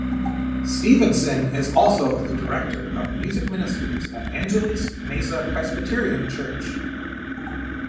Stevenson is also the director of music ministries at Angeles Mesa Presbyterian Church.